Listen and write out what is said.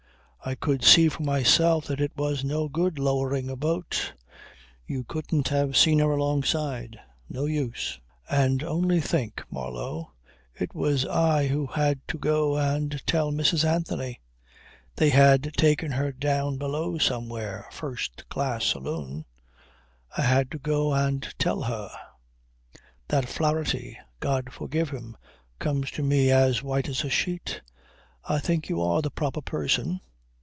I could see for myself that it was no good lowering a boat. You couldn't have seen her alongside. No use. And only think, Marlow, it was I who had to go and tell Mrs. Anthony. They had taken her down below somewhere, first class saloon. I had to go and tell her! That Flaherty, God forgive him, comes to me as white as a sheet, "I think you are the proper person."